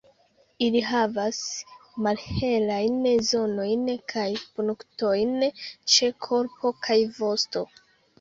Ili havas malhelajn zonojn kaj punktojn ĉe korpo kaj vosto.